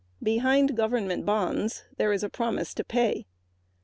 Behind government bonds there is only a promise to pay.